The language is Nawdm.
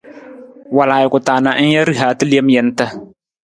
Wal ajuku ta na ng ja rihaata lem jantna.